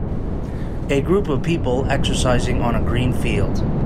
A group of people exercising on a green field.